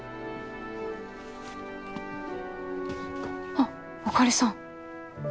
あっあかりさん。